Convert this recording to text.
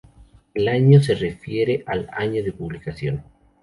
El año se refiere al año de publicación.